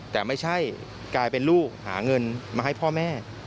แต่ไม่ใช่กลายเป็นลูกหาเงินมาให้พ่อแม่